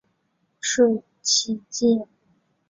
社企界